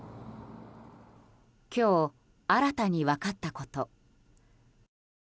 今日、新たに分かったこと。